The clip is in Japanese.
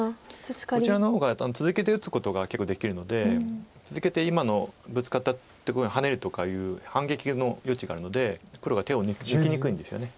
こちらの方が続けて打つことが結構できるので続けて今のブツカったとこにハネるとかいう反撃の余地があるので黒が手を抜きにくいんですよね。